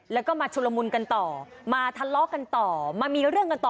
แล้วก็มาชุลมุนกันต่อมาทะเลาะกันต่อมามีเรื่องกันต่อ